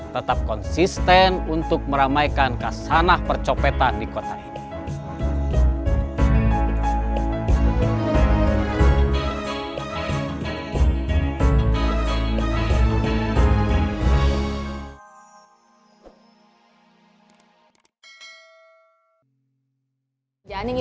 tetap konsisten untuk meramaikan kesanah percopetan di kota ini